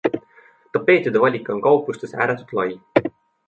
Tapeetide valik on kauplustes ääretult lai.